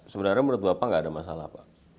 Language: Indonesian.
sebenarnya menurut bapak nggak ada masalah pak